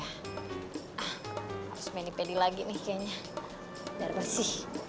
harus menipedi lagi nih kayaknya biar bersih